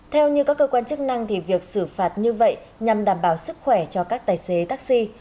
theo như các cơ quan chức năng thì việc xử phạt như vậy nhằm đảm bảo sức khỏe cho các tài xế taxi